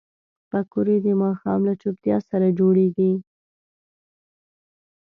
پکورې د ماښام له چوپتیا سره جوړېږي